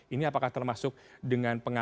ini apakah termasuk dengan pengawasan